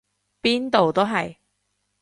邊度都係！